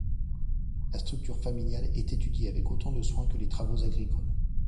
La structure familiale est étudiée avec autant de soin que les travaux agricoles.